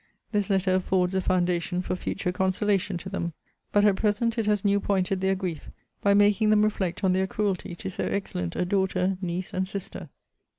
This letter affords a foundation for future consolation to them; but at present it has new pointed their grief, by making them reflect on their cruelty to so excellent a daughter, niece, and sister.